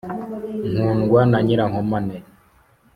nkundwa ya nyirankomane